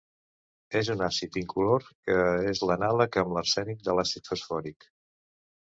És un àcid incolor que és l'anàleg amb arsènic de l'àcid fosfòric.